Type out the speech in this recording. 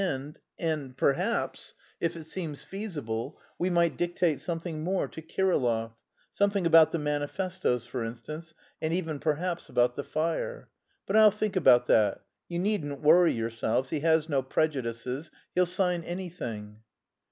and... and perhaps, if it seems feasible, we might dictate something more to Kirillov something about the manifestoes, for instance, and even perhaps about the fire. But I'll think about that. You needn't worry yourselves, he has no prejudices; he'll sign anything."